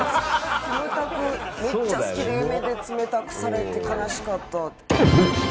めっちゃ好きで夢で冷たくされて悲しかったって。